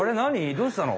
どうしたの？